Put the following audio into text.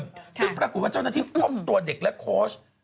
ซึ่งปรากฏว่าเจ้าหน้าที่พบตัวเด็กและโค้ช